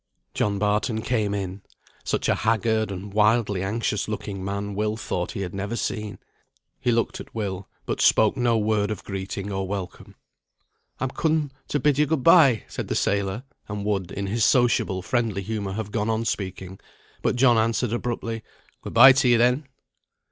John Barton came in. Such a haggard and wildly anxious looking man, Will thought he had never seen. He looked at Will, but spoke no word of greeting or welcome. "I'm come to bid you good bye," said the sailor, and would in his sociable friendly humour have gone on speaking. But John answered abruptly, "Good bye to ye, then."